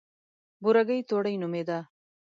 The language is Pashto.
بورګۍ توړۍ نومېده.